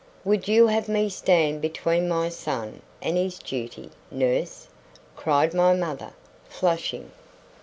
"Would you have me stand between my son and his duty, nurse?" cried my mother, flushing.